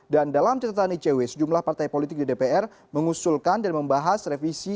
dan dalam cerita tani cewe sejumlah partai politik di dpr mengusulkan dan membahas revisi